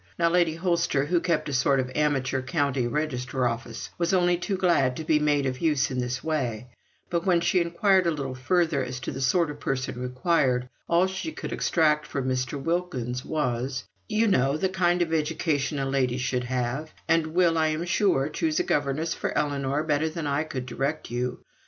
Now, Lady Holster, who kept a sort of amateur county register office, was only too glad to be made of use in this way; but when she inquired a little further as to the sort of person required, all she could extract from Mr. Wilkins was: "You know the kind of education a lady should have, and will, I am sure, choose a governess for Ellinor better than I could direct you.